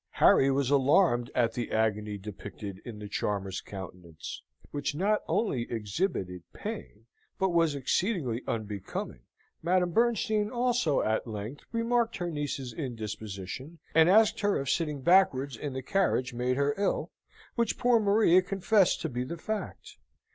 Harry was alarmed at the agony depicted in the charmer's countenance; which not only exhibited pain, but was exceedingly unbecoming. Madame Bernstein also at length remarked her niece's indisposition, and asked her if sitting backwards in the carriage made her ill, which poor Maria confessed to be the fact.